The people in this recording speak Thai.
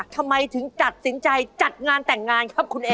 ทำไมถึงตัดสินใจจัดงานแต่งงานครับคุณเอ